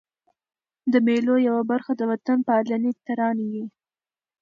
د مېلو یوه برخه د وطن پالني ترانې يي.